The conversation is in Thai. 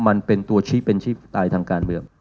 มันเป็นตัวชี้เป็นชี้ตายทางการเมือง